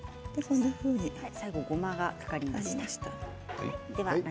ごまが、かかりました。